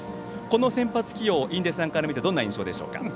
この先発起用、印出さんから見てどんな印象でしょうか。